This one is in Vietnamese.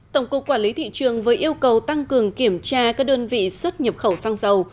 tổng cục quản lý thị trường với yêu cầu tăng cường kiểm tra các đơn vị xuất nhập khẩu xăng dầu